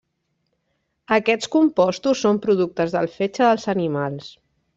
Aquests compostos són productes del fetge dels animals.